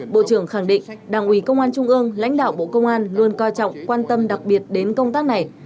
bộ trưởng khẳng định đảng ủy công an trung ương lãnh đạo bộ công an luôn coi trọng quan tâm đặc biệt đến công tác này